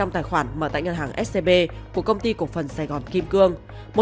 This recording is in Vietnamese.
năm tài khoản mở tại ngân hàng scb của công ty cổ phần sài gòn kim cương